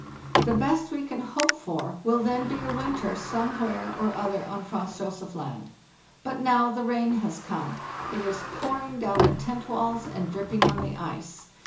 The best we can hope for will then be a winter some where or other on Franz Josef Land. But now the rain has come. It is pouring down the tent walls and dripping on the ice.